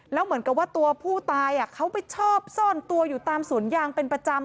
แล้วเหมือนกับว่าตัวผู้ตายเขาไปชอบซ่อนตัวอยู่ตามสวนยางเป็นประจำ